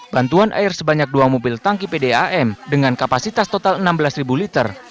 bantuan air sebanyak dua mobil tangki pdam dengan kapasitas total enam belas liter